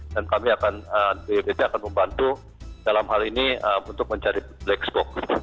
dan kami akan dprd akan membantu dalam hal ini untuk mencari black spock